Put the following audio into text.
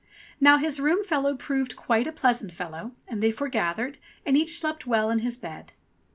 Now his room fellow proved quite a pleasant fellow, and they foregathered, and each slept well in his bed.